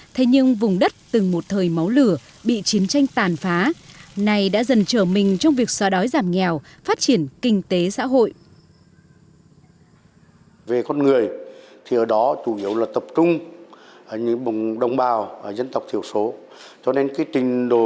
thế nhưng vùng đất từng một thời máu lửa bị chiến tranh tàn phá này đã dần trở mình trong việc xóa đói giảm nghèo phát triển kinh tế xã hội